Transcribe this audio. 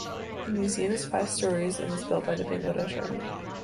The museum is five storeys and was built by the Bangladesh Army.